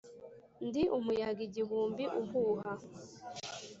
ndi umuyaga igihumbi uhuha,